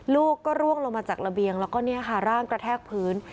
ลูกก็ร่วงลงมาจากระเบียงแล้วก็เนี่ยค่ะร่างกระแทกพื้น